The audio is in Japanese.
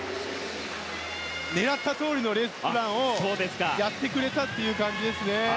狙ったとおりのレースプランをやってくれたという感じですね。